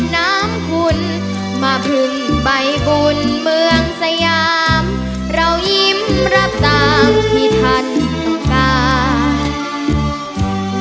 น้ำคุณมาพึ่งใบบุญเมืองสยามเรายิ้มรับตามที่ท่านต้องการ